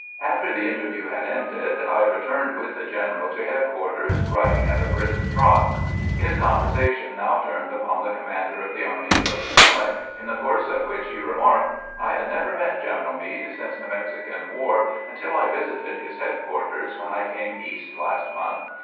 After the interview had ended I returned with the general to headquarters, riding at a brisk trot. His conversation now turned upon the commander of the Army of the Potomac, in the course of which he remarked :" I had never met Greneral Meade since the Mexican war until I visited his headquarters when I came East last month.